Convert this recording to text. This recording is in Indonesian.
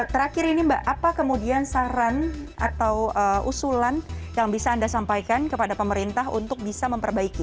terakhir ini mbak apa kemudian saran atau usulan yang bisa anda sampaikan kepada pemerintah untuk bisa memperbaiki